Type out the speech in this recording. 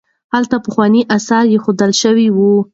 هلته پخواني اثار ایښودل شوي وو.